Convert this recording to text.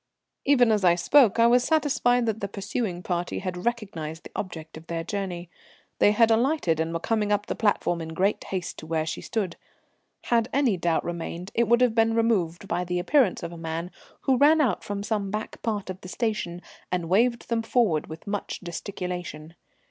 Even as I spoke I was satisfied that the pursuing party had recognized the object of their journey. They had all alighted and were coming up the platform in great haste to where she stood. Had any doubt remained, it would have been removed by the appearance of a man who ran out from some back part of the station and waved them forward with much gesticulation.